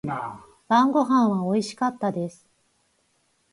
晩御飯は美味しかったです。